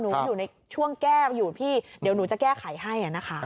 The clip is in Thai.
อยู่ในช่วงแก้วอยู่พี่เดี๋ยวหนูจะแก้ไขให้นะคะ